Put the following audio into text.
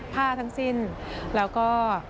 ทั้งสิ้นแล้วก็